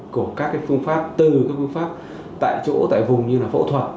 của các phương pháp từ các phương pháp tại chỗ tại vùng như là phẫu thuật